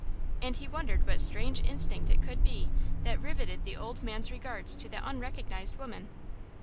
And he wondered what strange instinct it could be that riveted the old man's regards to that unrecognized woman.